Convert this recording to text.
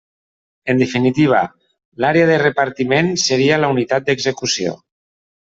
En definitiva, l'àrea de repartiment seria la unitat d'execució.